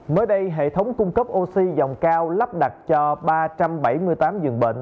mới đây hệ thống cung cấp oxy dòng cao lắp đặt cho ba trăm bảy mươi tám dường bệnh